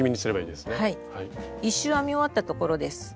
１周編み終わったところです。